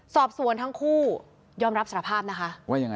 สอบส่วนทั้งคู่ย่อมรับสรภาพนะคะ